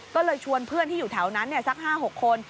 ก็เลยชวนเพื่อนที่อยู่แถวนั้นสัก๕๖คน